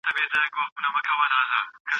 د روغتیا په اړه کمپاینونه څنګه روان دي؟